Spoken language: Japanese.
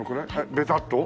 ベタッと？